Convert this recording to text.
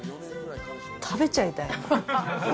食べちゃいたい。